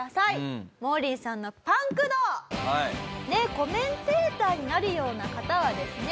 コメンテーターになるような方はですね